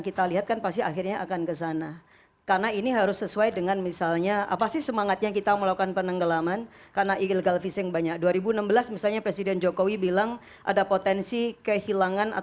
kapal itu menjadi penting